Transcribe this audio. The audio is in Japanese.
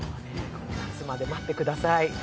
夏まで待ってください。